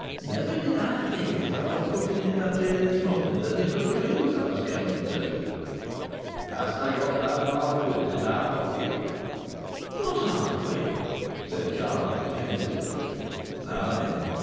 Never did I think, as I was footing it up here this morning, as it was twins I was coming to!" "Hast got that half quid in thy pocket?" "What half quid?" said Charlie, defensively. "Now then.